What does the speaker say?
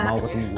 mau ketemu gue